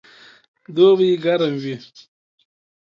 دوبئ ګرم وي